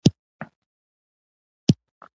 دا تحریکونه درې سوه کاله سابقه لري.